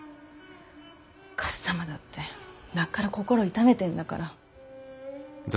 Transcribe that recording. かっさまだってなっから心を痛めてんだから。